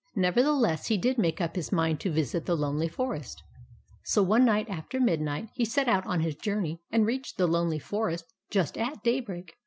Nevertheless, he did make up his mind to visit the Lonely Forest ; so one night after midnight he set out on his journey, and reached the Lonely Forest just at daybreak.